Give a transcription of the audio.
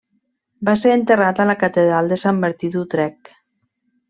Va ser enterrat a la catedral de Sant Martí d'Utrecht.